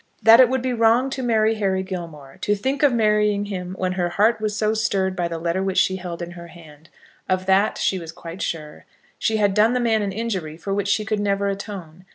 That it would be wrong to marry Harry Gilmore, to think of marrying him when her heart was so stirred by the letter which she held in her hand, of that she was quite sure. She had done the man an injury for which she could never atone.